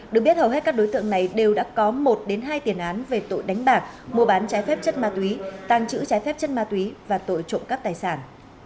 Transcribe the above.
được biết hầu hết các đối tượng này đều đã có một hai tiền án về tội đánh bạc mua bán trái phép chất ma túy tăng trữ trái phép chất ma túy và tội trộm cắp tài sản